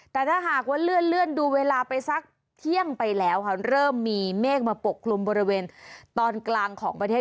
แต่ถ้าหากว่าเลื่อนดูเวลาไปสักเที่ยงไปแล้วค่ะเริ่มมีเมฆมาปกคลุมบริเวณตอนกลางของประเทศ